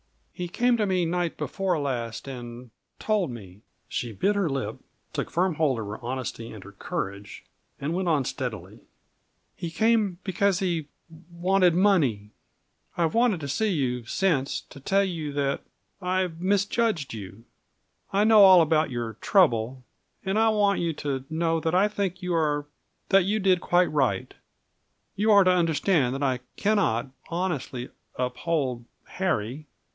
"He came to me night before last, and told me." She bit her lip, took firm hold on her honesty and her courage, and went on steadily. "He came because he wanted money. I've wanted to see you since, to tell you that I misjudged you. I know all about your trouble, and I want you to know that I think you are that you did quite right. You are to understand that I cannot honestly uphold Harry.